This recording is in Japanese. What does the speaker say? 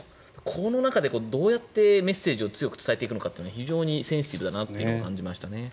この中でどうやってメッセージを強く伝えていくのかというのは非常にセンシティブだなと感じましたね。